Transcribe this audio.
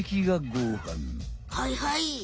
はいはい。